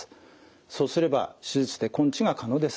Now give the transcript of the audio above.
そうすれば手術で根治が可能です。